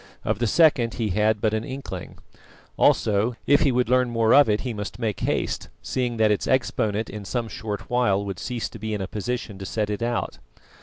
Of the second he had but an inkling. Also, if he would learn more of it he must make haste, seeing that its exponent in some short while would cease to be in a position to set it out.